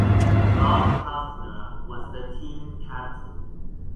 Ralph Castner was the team captain.